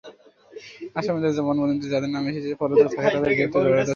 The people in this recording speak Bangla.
আসামিদের জবানবন্দিতে যাঁদের নাম এসেছে, পলাতক থাকায় তাঁদের গ্রেপ্তার করা যাচ্ছে না।